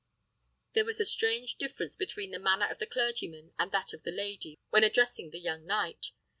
There was a strange difference between the manner of the clergyman and that of the lady, when addressing the young knight.